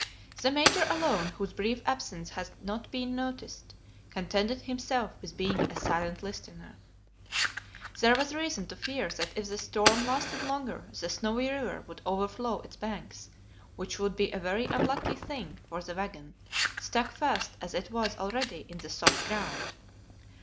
The Major alone, whose brief absence had not been noticed, contented himself with being a silent listener. There was reason to fear that if the storm lasted longer the Snowy River would overflow its banks, which would be a very unlucky thing for the wagon, stuck fast as it was already in the soft ground.